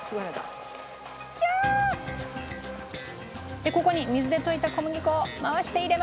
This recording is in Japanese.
でここに水で溶いた小麦粉を回して入れます。